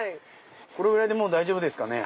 これぐらいで大丈夫ですかね？